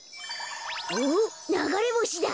おっながれぼしだ。